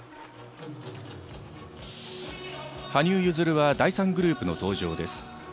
羽生結弦は第３グループの登場。